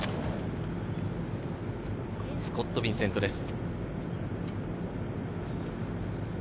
スコット・ビンセントです。